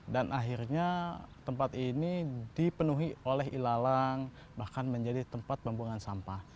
dan akhirnya tempat ini dipenuhi oleh ilalang bahkan menjadi tempat pembungan sampah